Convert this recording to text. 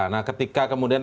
nah ketika kemudian